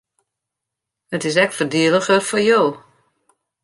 It is ek foardeliger foar jo.